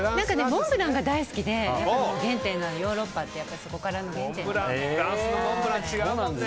モンブランが大好きで原点のヨーロッパってやっぱり原点なので。